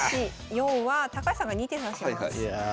４は高橋さんが２手指します。